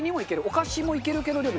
お菓子もいけるけど。